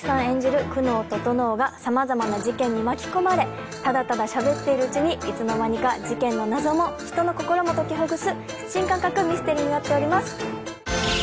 演じる久能整が様々な事件に巻き込まれただただしゃべっているうちにいつの間にか事件の謎も人の心も解きほぐす新感覚ミステリーになっております。